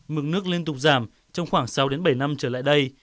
mực nước liên tục giảm trong khoảng sáu bảy năm trở lại đây